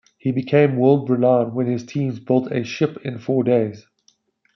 He became world-renowned when his teams built a ship in four days.